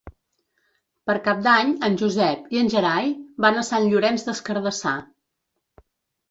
Per Cap d'Any en Josep i en Gerai van a Sant Llorenç des Cardassar.